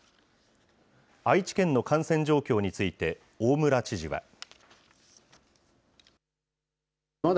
愛知県の感染状況について、大村知事は。